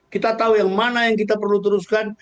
kita tahu yang mana yang kita perlu teruskan